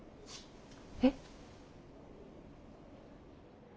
えっ？